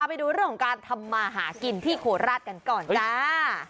ไปดูเรื่องของการทำมาหากินที่โคราชกันก่อนจ้า